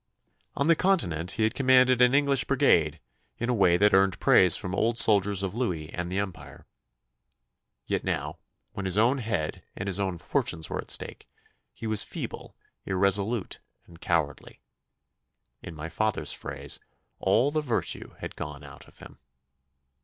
On the Continent he had commanded an English brigade in a way that earned praise from old soldiers of Louis and the Empire. Yet now, when his own head and his own fortunes were at stake, he was feeble, irresolute, and cowardly. In my father's phrase, 'all the virtue had gone out of him.